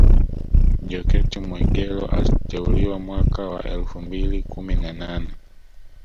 Jokate Mwegelo aliteuliwa mwaka wa elfu mbili kumi na nane